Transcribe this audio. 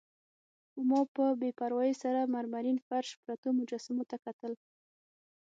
خو ما په بې پروايي سره مرمرین فرش، پرتو مجسمو ته کتل.